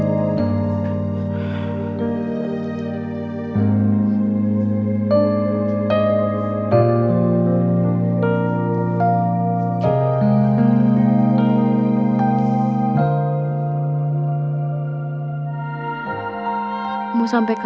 mereka pun sama sama terjaga